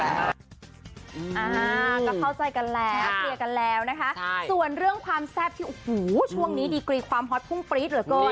อ่าก็เข้าใจกันแล้วเคลียร์กันแล้วนะคะส่วนเรื่องความแซ่บที่โอ้โหช่วงนี้ดีกรีความฮอตพุ่งปรี๊ดเหลือเกิน